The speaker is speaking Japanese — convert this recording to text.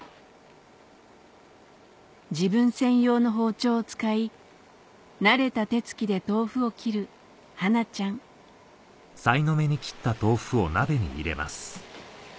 自分専用の包丁を使い慣れた手つきで豆腐を切るはなちゃんおぉ。